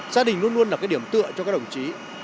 gia đình luôn luôn là cái điểm tựa cho các đồng chí